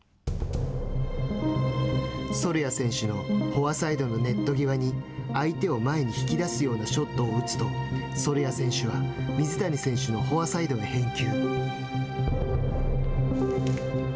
ソルヤ選手のフォアサイドのネット際に相手を前に引き出すようなショットを打つとソルヤ選手は水谷選手のフォアサイドへ返球。